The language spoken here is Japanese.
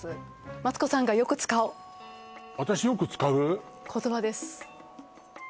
マツコさんがよく使う言葉ですよく使う？